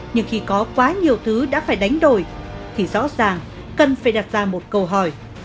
nhưng khi có quá nhiều thứ đã phải đánh đổi thì rõ ràng cần phải đặt ra một câu hỏi